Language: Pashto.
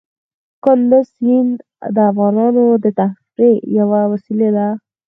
کندز سیند د افغانانو د تفریح یوه وسیله ده.